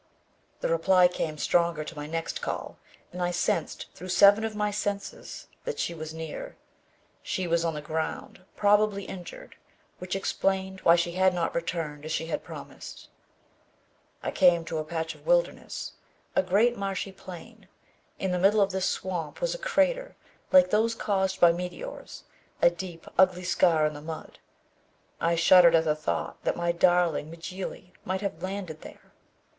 The reply came stronger to my next call and I sensed through seven of my senses that she was near. She was on the ground, probably injured, which explained why she had not returned as she had promised. I came to a patch of wilderness, a great marshy plain. In the middle of this swamp was a crater, like those caused by meteors, a deep, ugly scar in the mud. I shuddered at the thought that my darling Mjly might have landed there.